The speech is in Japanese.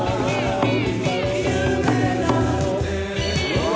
うわ！